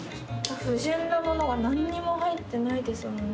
不純なものが何にも入ってないですもんね。